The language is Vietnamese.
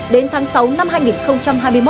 đến tháng sáu năm hai nghìn hai mươi một